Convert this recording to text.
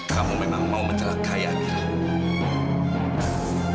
kamu memang mau mencelakai amira